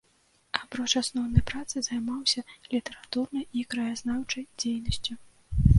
Апроч асноўнай працы займаўся літаратурнай і краязнаўчай дзейнасцю.